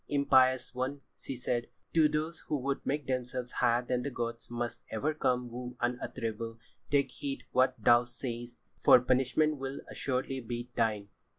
"Impious one!" she said, "to those who would make themselves higher than the gods must ever come woe unutterable. Take heed what thou sayest, for punishment will assuredly be thine."